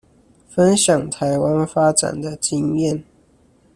分享臺灣發展的經驗